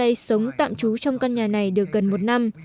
gay say sống tạm trú trong căn nhà này được gần một năm